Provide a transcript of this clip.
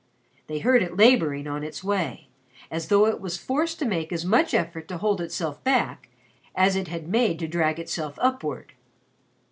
They heard it laboring on its way, as though it was forced to make as much effort to hold itself back as it had made to drag itself upward.